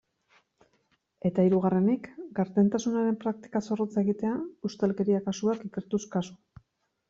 Eta hirugarrenik, gardentasunaren praktika zorrotza egitea, ustelkeria kasuak ikertuz kasu.